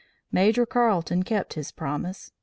Major Carleton kept his promise.